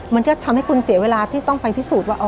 มันจะทำให้คุณเสียเวลาที่ต้องไปพิสูจน์ว่า